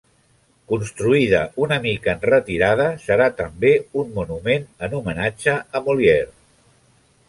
Construïda una mica enretirada serà també un monument en homenatge a Molière.